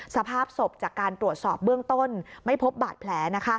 สภาพศพจากการตรวจสอบเบื้องต้นไม่พบบาดแผล